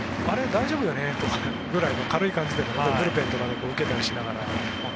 大丈夫だよね？くらいの軽い感じでブルペンで受けたりしながら。